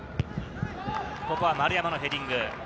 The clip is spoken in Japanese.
ここは丸山のヘディング。